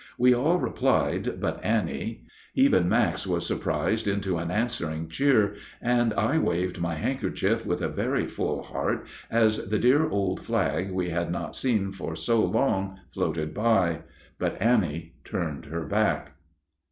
We all replied but Annie. Even Max was surprised into an answering cheer, and I waved my handkerchief with a very full heart as the dear old flag we had not seen for so long floated by; but Annie turned her back.